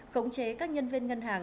khống chế các nhân viên ngân hàng